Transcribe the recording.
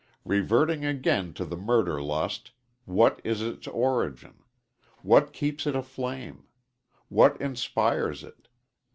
Reverting again to the murder lust: What is it's origin? What keeps it aflame? What inspires it?